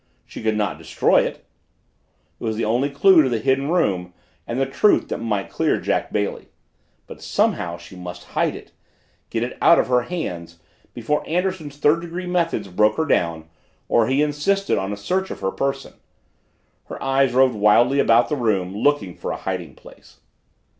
She could not destroy it it was the only clue to the Hidden Room and the truth that might clear Jack Bailey. But, somehow, she must hide it get it out of her hands before Anderson's third degree methods broke her down or he insisted on a search of her person. Her eyes roved wildly about the room, looking for a hiding place.